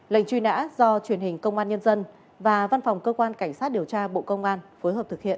lệnh truy nã do truyền hình công an nhân dân và văn phòng cơ quan cảnh sát điều tra bộ công an phối hợp thực hiện